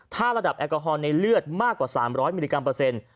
ถ้าระดับแอลกอฮอล์ในเลือดมากกว่า๓๐๐มิลลิกรัมเปอร์เซ็นต์